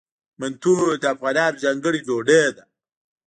منتو د افغانانو ځانګړې ډوډۍ ده.